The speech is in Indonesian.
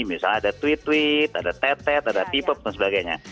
misalnya ada tweet tweet ada tetet ada tipe dan sebagainya